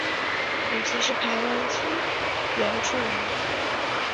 母亲是排湾族原住民。